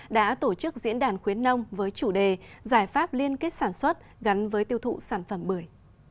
đã tổ chức diễn đàn khuyến nông với chủ đề giải pháp liên kết sản xuất gắn với tiêu thụ sản phẩm bưởi